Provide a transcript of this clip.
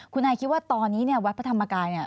คุณไอคิดว่าตอนนี้วัดพระธรรมกาล